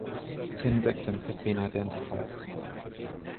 Ten victims have been identified.